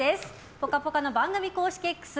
「ぽかぽか」の番組公式Ｘ